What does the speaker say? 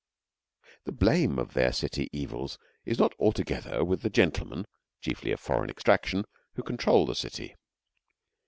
The blame of their city evils is not altogether with the gentlemen, chiefly of foreign extraction, who control the city.